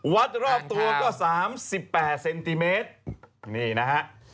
รอบตัวก็๓๘เซนติเมตรนี่นะฮะ